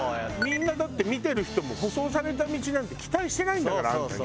みんなだって見てる人も舗装された道なんて期待してないんだからあんたに。